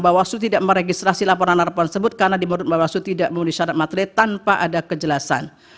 bawaslu tidak meregistrasi laporan laporan tersebut karena di menurut bawaslu tidak memenuhi syarat materi tanpa ada kejelasan